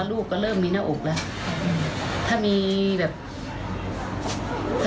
ครูก็ไม่น่าจะทำขนาดนี้ค่ะ